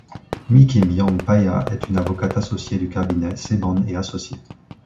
My-Kim Yang-Paya est une avocate associée du cabinet Seban & Associés.